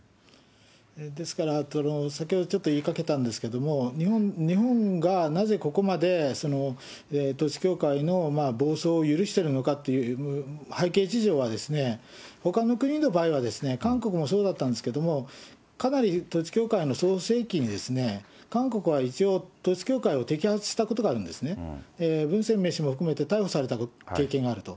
ですから、先ほどちょっと言いかけたんですけど、日本がなぜここまで、統一教会の暴走を許してるのかという背景事情は、ほかの国の場合は、韓国もそうだったんですけど、かなり統一教会の創世記に、韓国は一度統一教会を摘発したことがあるんですね。文鮮明氏も含めて、逮捕された経験があると。